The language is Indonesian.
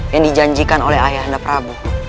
yang dijanjikan oleh ayah anda prabu